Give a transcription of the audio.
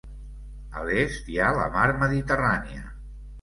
A l'est hi ha la mar Mediterrània.